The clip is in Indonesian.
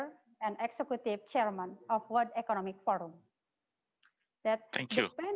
bisa kita pergi ke slide berikutnya tolong